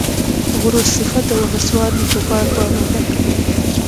غرور صفته ومه سوال مې په بار، بار ونه کړ